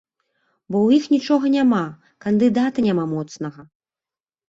Бо ў іх нічога няма, кандыдата няма моцнага.